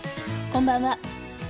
こんばんは。